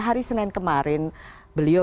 hari senin kemarin beliau